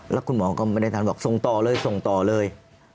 แล้วคุณหมอก็ไม่ได้ทันบอกส่งต่อเลยส่งต่อเลย